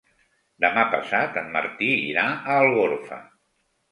Demà passat en Martí irà a Algorfa.